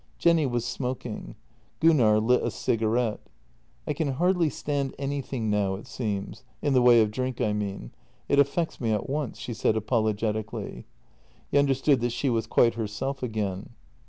Jenny was smoking. Gunnar lit a cigarette. " I can hardly stand anything now, it seems — in the way of drink, I mean. It affects me at once," she said apologeti cally. He understood that she was quite herself again.